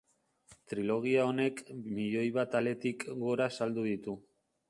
Trilogia honek milioi bat aletik gora saldu ditu.